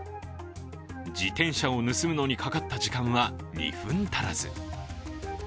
自転車を盗むのにかかった時間は２分足らず。